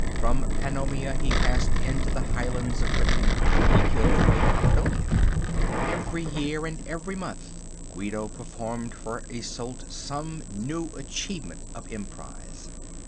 From Pannonia he passed into the Highlands of Britain, where he killed her a Caledonian. Every year and every month Guido performed for Isolde some new achievement of emprise.